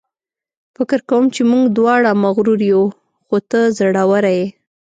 فکر کوم چې موږ دواړه مغرور یو، خو ته زړوره یې.